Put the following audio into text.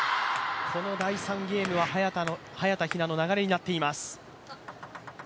この第３ゲームは早田ひなの流れになっています。